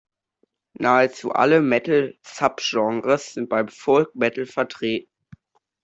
Nahezu alle Metal-Subgenres sind beim Folk Metal vertreten.